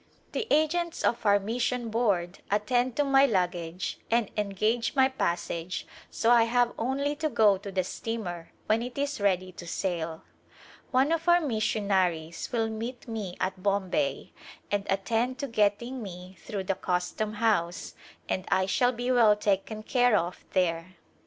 The agents of our mission board attend to my lug gage and engage my passage so I have only to go to the steamer when it is ready to sail. One of our missionaries will meet me at Bombay and attend to getting me through the custom house and I shall be well taken care of there.